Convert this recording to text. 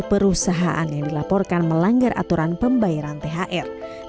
perusahaan yang dilaporkan melanggar aturan pembayaran thr